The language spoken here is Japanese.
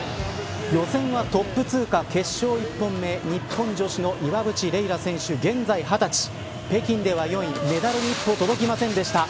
予選はトップ通過決勝１本目、日本女子の岩渕麗楽選手、現在２０歳北京では４位、メダルに一歩届きませんでした。